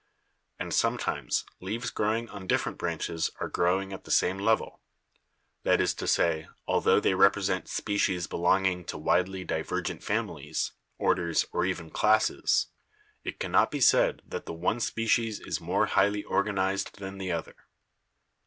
And sometimes leaves growing on different branches are growing at the same level ; that is to say, altho they repre sent species belonging to widely divergent families, orders or even classes, it cannot be said that the one species is more highly organized than the other.